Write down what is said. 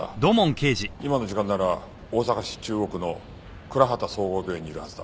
今の時間なら大阪市中央区の蔵幡総合病院にいるはずだ。